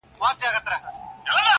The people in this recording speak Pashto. خدایه د شپېتو بړېڅو ټولي سوې کمبلي.!